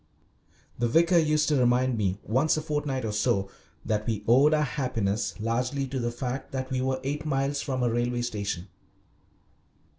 The vicar used to remind me, once a fortnight or so, that we owed our happiness largely to the fact that we were eight miles from a railway station.